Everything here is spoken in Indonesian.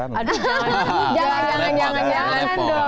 jangan jangan jangan